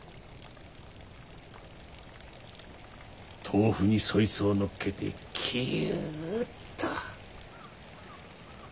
豆腐にそいつをのっけてきゅっと。